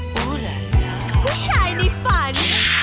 เสนอพุชายในฝัน